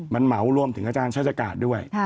มันเหมารวมถึงอาจารย์ชาติกาศด้วย